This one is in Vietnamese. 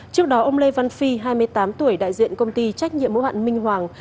trước đó ông lê văn phi hai mươi tám tuổi đại diện công ty trách nhiệm mô hạn minh hoàng